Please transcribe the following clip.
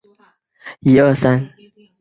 他的母亲是藤原时平的女儿。